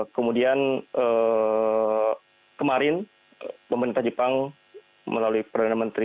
kemudian kemarin pemerintah jepang melalui perdana menteri